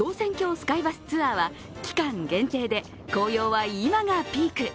スカイバスツアーは期間限定で紅葉は今がピーク。